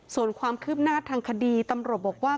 ส่วนความคืบหน้าทางคดีตำรวจบอกว่า